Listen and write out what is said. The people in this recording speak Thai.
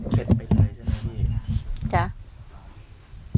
คิดไปไทยใช่ไหม